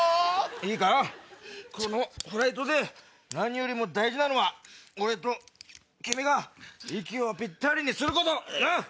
いいかこのフライトで何よりも大事なのは俺と君が息をピッタリにすること！